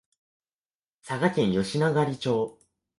佐賀県吉野ヶ里町